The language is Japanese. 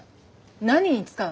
何に使うの？